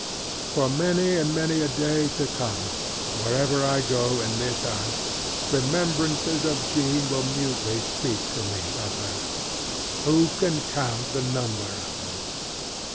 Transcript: ŌĆØ For many and many a day to come, wherever I go in this house, remembrancers of Jean will mutely speak to me of her. Who can count the number of them?